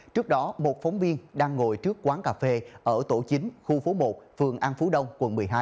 trước đó một phóng viên đang ngồi trước quán cà phê ở tổ chính khu phố một phường an phú đông quận một mươi hai